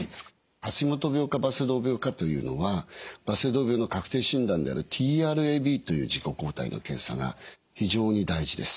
橋本病かバセドウ病かというのはバセドウ病の確定診断であるＴＲＡｂという自己抗体の検査が非常に大事です。